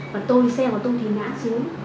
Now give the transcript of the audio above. và tôi xe vào tôi thì ngã xíu